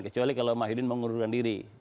kecuali kalau mahyudin mau ngurungkan diri